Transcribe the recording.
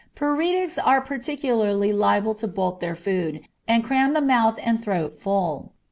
Paretics are particularly liable to bolt their food, and cram the mouth and throat full.